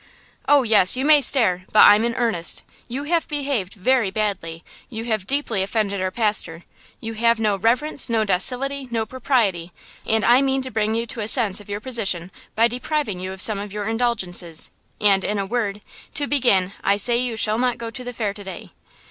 "Oh, yes, you may stare; but I'm in earnest. You have behaved very badly; you have deeply offended our pastor; you have no reverence, no docility, no propriety, and I mean to bring you to a sense of your position by depriving you of some of your indulgences; and, in a word, to begin I say you shall not go to the fair to day."